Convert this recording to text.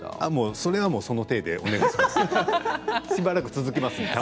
それはその体でお願いします。